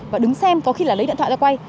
và đứng xem có khi là lấy điện thoại ra quay